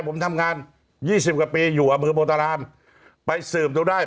ผมทำงาน๒๐กว่าปีอยู่อ่ะมือโมตรรามไปสื่มดูได้